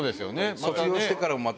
卒業してからもまた。